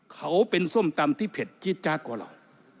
เขาเป็นส้มตำที่เผ็ดจี๊ดจ๊ะกว่าเรา